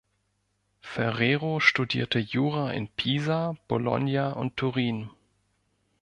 Ferrero studierte Jura in Pisa, Bologna und Turin.